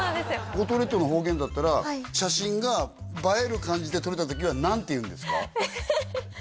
五島列島の方言だったら写真が映える感じで撮れた時は何て言うんですか？